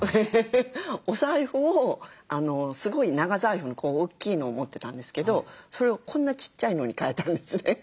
お財布をすごい長財布の大きいのを持ってたんですけどそれをこんなちっちゃいのに替えたんですね。